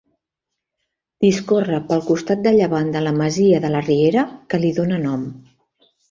Discorre pel costat de llevant de la masia de la Riera, que li dóna nom.